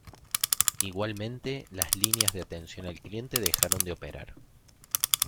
Igualmente, las líneas de atención al cliente dejaron de operar.